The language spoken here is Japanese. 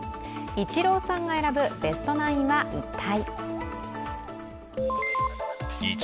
イチローさんが選ぶベストナインは一体？